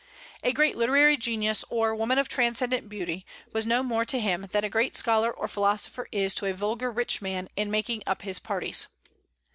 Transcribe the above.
A great literary genius, or woman of transcendent beauty, was no more to him than a great scholar or philosopher is to a vulgar rich man in making up his parties.